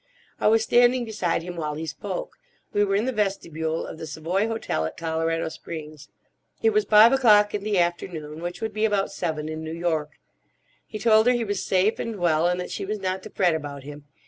I was standing beside him while he spoke. We were in the vestibule of the Savoy Hotel at Colorado Springs. It was five o'clock in the afternoon, which would be about seven in New York. He told her he was safe and well, and that she was not to fret about him.